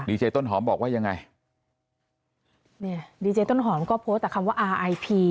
เจต้นหอมบอกว่ายังไงเนี่ยดีเจต้นหอมก็โพสต์แต่คำว่าอาไอพี